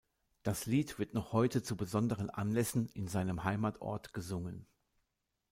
Das Lied wird noch heute zu besonderen Anlässen in seinem Heimatort gesungen.